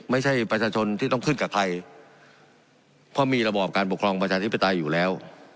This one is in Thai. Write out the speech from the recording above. ไม่ใช่ประชาชนที่ต้องขึ้นกับใครเพราะมีระบอบการปกครองประชาธิปไตยอยู่แล้ว